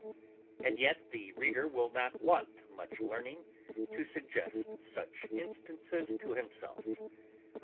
And yet, the reader will not want much learning to suggest such instances to himself.